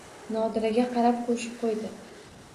Nodirga qarab qo‘shib qo‘ydi